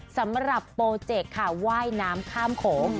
สำหรับโปรเจกต์ค่ะว่ายน้ำข้ามโขง